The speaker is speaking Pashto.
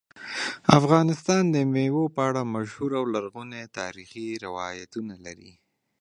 افغانستان د مېوو په اړه مشهور او لرغوني تاریخی روایتونه لري.